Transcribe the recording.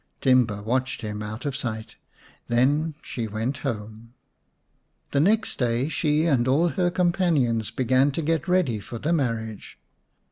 Timba watched him out of sight ; then she went home. The next day she and all her companions began to get ready for the marriage.